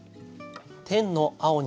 「天の青に」